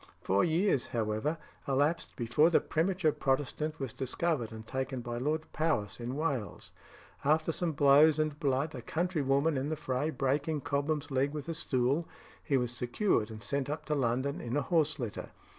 Four years, however, elapsed before the premature Protestant was discovered and taken by Lord Powis in Wales. After some blows and blood a country woman in the fray breaking Cobham's leg with a stool, he was secured and sent up to London in a horse litter.